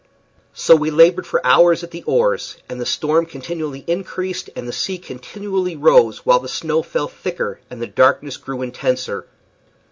So we labored for hours at the oars, and the storm continually increased, and the sea continually rose, while the snow fell thicker and the darkness grew intenser.